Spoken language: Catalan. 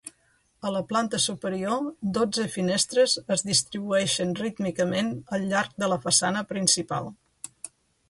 A la planta superior, dotze finestres es distribueixen rítmicament al llarg de la façana principal.